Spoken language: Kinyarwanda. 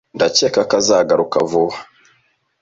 Ndakeka ko azagaruka vuba.